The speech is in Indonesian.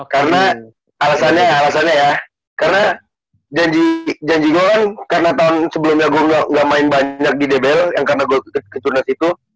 karena alasannya ya alasannya ya karena janji gua kan karena tahun sebelumnya gua gak main banyak di dbl yang karena gua kecurnas itu